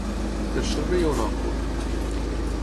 Per sobre hi ha un òcul.